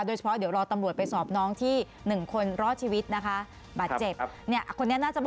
โดยเฉพาะเดี๋ยวรอตำรวจไปสอบน้องที่หนึ่งคนรอดชีวิตนะคะบัตรเจ็บ